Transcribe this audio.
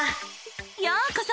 ようこそ！